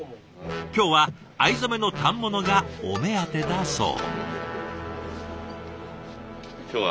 今日は藍染めの反物がお目当てだそう。